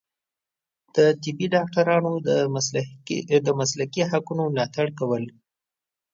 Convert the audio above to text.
د طبي ډاکټرانو د مسلکي حقونو ملاتړ کول